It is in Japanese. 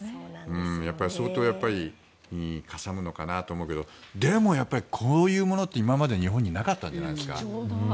やっぱり相当かさむのかなと思うけどでもこういうものって今まで日本になかったじゃないですか。